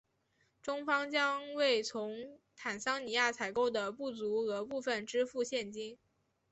中方将为从坦桑尼亚采购的不足额部分支付现金。